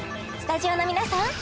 スタジオの皆さん